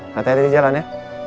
nanti ada di jalan ya